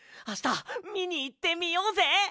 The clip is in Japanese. あしたみにいってみようぜ！